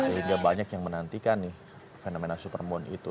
sehingga banyak yang menantikan nih fenomena supermoon itu